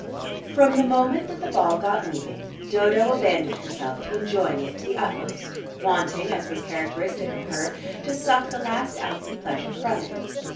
From the moment that the ball got moving Dodo abandoned herself to enjoying it to the utmost, wanting, as was characteristic of her, to suck the last ounce of pleasure from it.